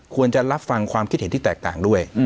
ควรจะรับฟังความคิดเห็นที่แตกต่างด้วย